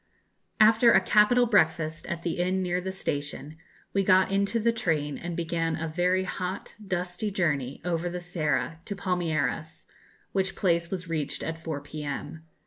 After a capital breakfast at the inn near the station, we got into the train and began a very hot dusty journey over the Serra to Palmeiras, which place was reached at 4 p.m.